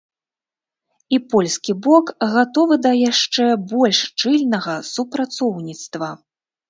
І польскі бок гатовы да яшчэ больш шчыльнага супрацоўніцтва.